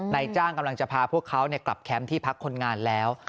นายจ้างกำลังจะพาพวกเขากลับแคมป์ที่พักคนงานแล้ว